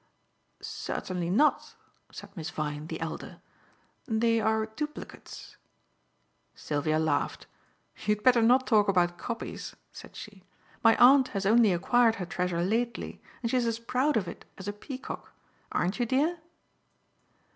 "Certainly not," said Miss Vyne, the elder. "They are duplicates." Sylvia laughed. "You'd better not talk about copies," said she. "My aunt has only acquired her treasure lately, and she is as proud of it as a peacock; aren't you, dear?"